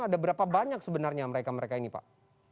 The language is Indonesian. ada berapa banyak sebenarnya mereka mereka ini pak